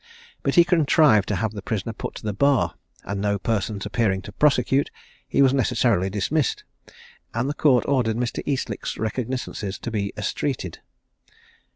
But he contrived to have the prisoner put to the bar; and no persons appearing to prosecute, he was necessarily dismissed; and the court ordered Mr. Eastlick's recognisances to be estreated.